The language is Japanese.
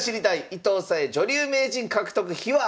伊藤沙恵女流名人獲得秘話」！